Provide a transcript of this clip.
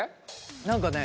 何かね。